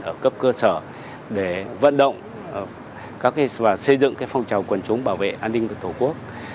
ở cấp cơ sở để vận động và xây dựng phong trào quần chúng bảo vệ an ninh của tổ quốc